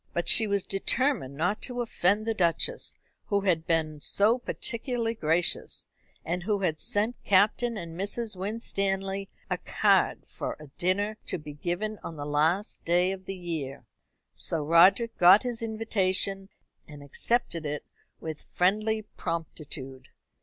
But she was determined not to offend the Duchess, who had been so particularly gracious, and who had sent Captain and Mrs. Winstanley a card for a dinner to be given on the last day of the year. So Roderick got his invitation, and accepted it with friendly promptitude.